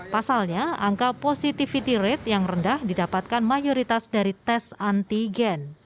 pasalnya angka positivity rate yang rendah didapatkan mayoritas dari tes antigen